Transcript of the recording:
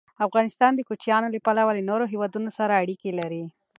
افغانستان د کوچیانو له پلوه له نورو هېوادونو سره اړیکې لري.